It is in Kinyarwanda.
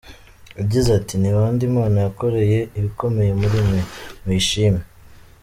Yagize ati “Ni bande Imana yakoreye ibikomeye muri mwe? Muyishime.